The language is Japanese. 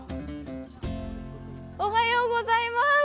おはようございます。